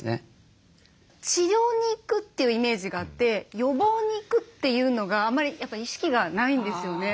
治療に行くというイメージがあって予防に行くっていうのがあんまりやっぱり意識がないんですよね。